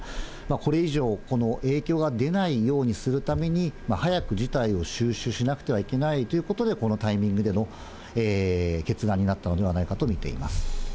これ以上、この影響が出ないようにするために、早く事態を収拾しなくてはいけないということで、このタイミングでの決断になったのではないかと見ています。